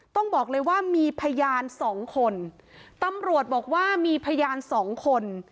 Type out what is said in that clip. ต้องบอกเลยว่ามีพยานสองคนตำรวจบอกว่ามีพยานสองคน